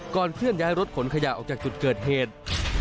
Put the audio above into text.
เคลื่อนย้ายรถขนขยะออกจากจุดเกิดเหตุ